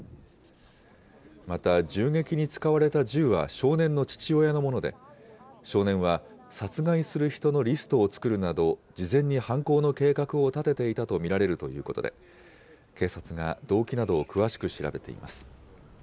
また、銃撃に使われた銃は少年の父親のもので、少年は殺害する人のリストを作るなど、事前に犯行の計画を立てていたと見られるということで、警察が動機などを詳しく調べています。